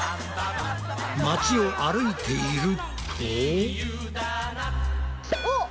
街を歩いていると？